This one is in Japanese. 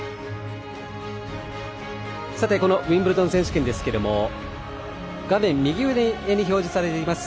このウィンブルドン選手権ですが画面右上に表示されています